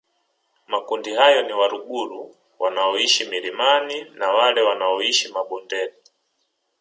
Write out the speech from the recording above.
Makundi hayo ni Waluguru wanaoishi milimani na wale wanaoishi mabondeni